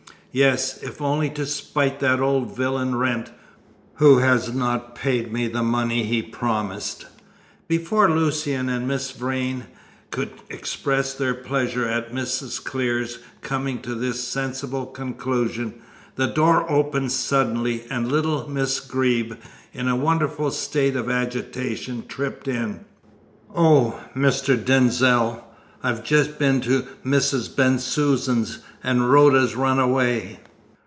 "Yes, if only to spite that old villain Wrent, who has not paid me the money he promised." Before Lucian and Miss Vrain could express their pleasure at Mrs. Clear coming to this sensible conclusion, the door opened suddenly, and little Miss Greeb, in a wonderful state of agitation, tripped in. "Oh, Mr. Denzil! I've just been to Mrs. Bensusan's, and Rhoda's run away!"